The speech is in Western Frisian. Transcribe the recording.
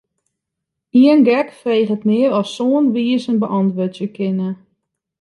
Ien gek freget mear as sân wizen beäntwurdzje kinne.